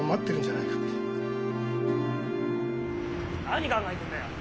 何考えてんだよ！